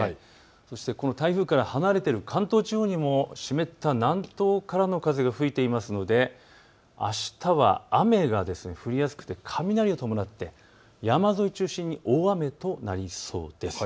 そして、この台風から離れている関東地方にも湿った南東からの風が吹いているのであしたは雨が降りやすくて雷を伴って山沿いを中心に大雨となりそうです。